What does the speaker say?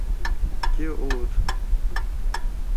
Кӧ улыт?